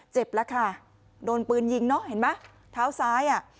เจ็บแล้วค่ะโดนปืนยิงเนอะเห็นไหมเท้าซ้ายอ่ะ